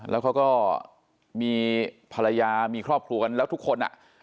แล้วเขาก็มีภรรยามีครอบครัวกันแล้วทุกคนอ่ะ